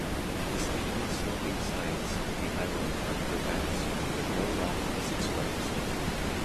The steeply-sloping sides of the island are crevassed, but no rock is exposed.